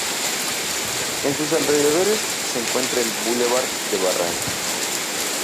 En sus alrededores se encuentra el bulevar de Barranco.